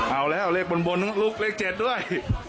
เอาแล้วเลขบนลูกเลข๗ด้วย